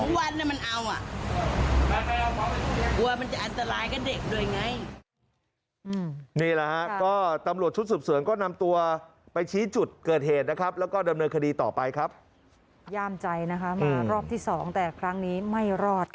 กลัวว่ามันจะอันตรายกับเด็กด้วยไง